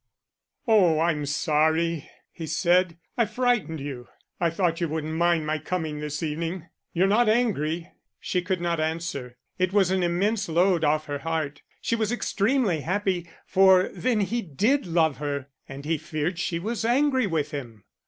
"Oh, I'm sorry," he said, "I frightened you. I thought you wouldn't mind my coming this evening. You're not angry?" She could not answer; it was an immense load off her heart. She was extremely happy, for then he did love her; and he feared she was angry with him.